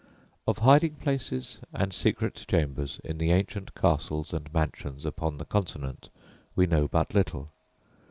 Of hiding places and secret chambers in the ancient castles and mansions upon the Continent we know but little.